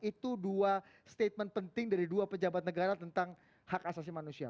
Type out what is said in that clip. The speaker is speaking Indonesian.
itu dua statement penting dari dua pejabat negara tentang hak asasi manusia